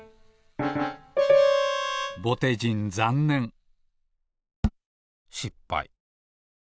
ぼてじんざんねんしっぱい。